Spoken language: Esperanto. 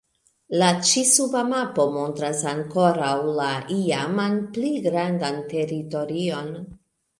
La ĉi-suba mapo montras ankoraŭ la iaman, pli grandan teritorion.